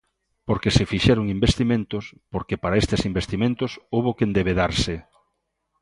Porque se fixeron investimentos, porque, para estes investimentos, houbo que endebedarse.